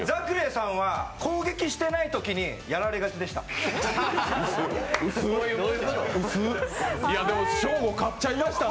Ｚａｃｋｒａｙさんは攻撃してないときにやられがちでした。